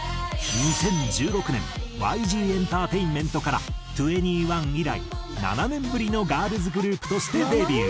２０１６年ＹＧエンターテインメントから２ＮＥ１以来７年ぶりのガールズグループとしてデビュー。